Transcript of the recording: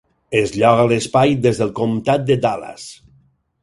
Es lloga l'espai des del comtat de Dallas.